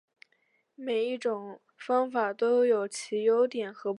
每一种方法都有其优点和不足。